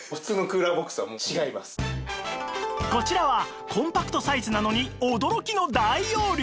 こちらはコンパクトサイズなのに驚きの大容量